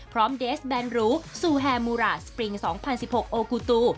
เดสแบนหรูซูแฮมูราสปริง๒๐๑๖โอกูตู